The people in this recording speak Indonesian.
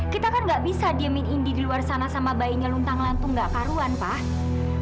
kita kan nggak bisa diemin indi di luar sana sama bayinya luntang lantun nggak karuan pak